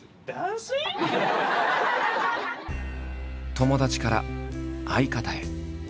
友達から相方へ。